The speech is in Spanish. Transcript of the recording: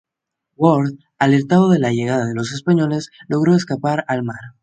Howard, alertado de la llegada de los españoles, logró escapar al mar.